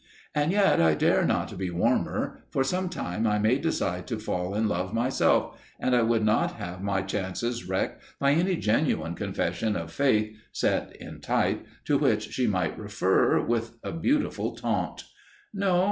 And yet I dare not be warmer, for sometime I may decide to fall in love myself, and I would not have my chances wrecked by any genuine confession of faith, set in type, to which She might refer, with a beautiful taunt. No!